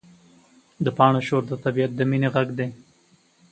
د پاڼو شور د طبیعت د مینې غږ دی.